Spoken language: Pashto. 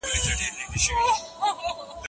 مقاومت وکړه ترڅو ستا نوم په بازار کې یاده شي.